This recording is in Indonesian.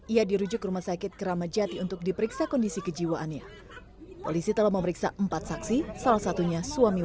ia dirujuk ke rumah sakit kerama jati untuk diperiksa kondisi kejiwaannya